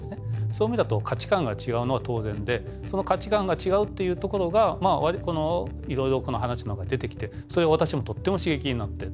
そういう意味だと価値観が違うのは当然でその価値観が違うっていうところが割といろいろこの話の中に出てきてそれが私もとっても刺激になってとても面白かったです。